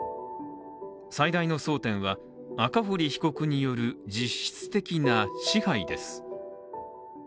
最大の争点は、赤堀被告による実質的な支配です。